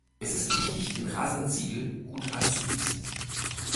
Es ist wichtig, den Rasenziegel gut anzugießen.